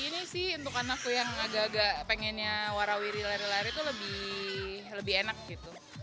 ini sih untuk anakku yang agak agak pengennya warawiri lari lari tuh lebih enak gitu